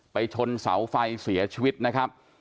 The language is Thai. ชนเสาไฟเสียชีวิตนะครับ